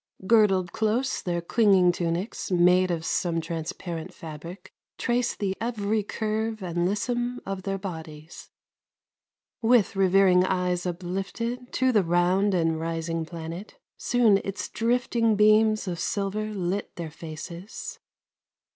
Girdled close their clinging tunics, Made of some transparent fabric, Traced the every curve and lissome Of their bodies. With revering eyes uplifted To the round and rising planet, Soon its drifting beams of silver Lit their faces.